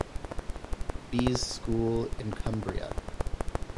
Bees school in Cumbria.